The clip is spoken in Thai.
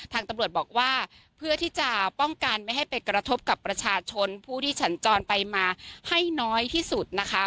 ทางตำรวจบอกว่าเพื่อที่จะป้องกันไม่ให้ไปกระทบกับประชาชนผู้ที่สัญจรไปมาให้น้อยที่สุดนะคะ